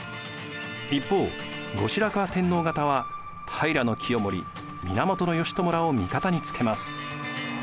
一方後白河天皇方は平清盛源義朝らを味方につけます。